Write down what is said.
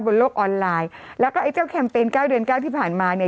บนโลกออนไลน์แล้วก็ไอ้เจ้าแคมเปญเก้าเดือนเก้าที่ผ่านมาเนี่ย